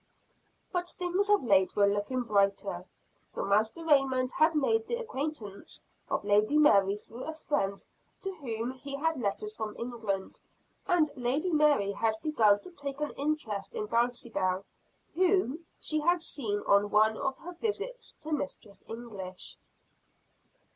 But things of late were looking brighter, for Master Raymond had made the acquaintance of Lady Mary through a friend to whom he had letters from England, and Lady Mary had begun to take an interest in Dulcibel, whom she had seen on one of her visits to Mistress English.